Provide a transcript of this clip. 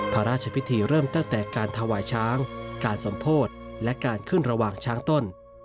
พระราชพิธีเริ่มตั้งแต่การถวายช้างการสมโพธิและการขึ้นระหว่างช้างต้น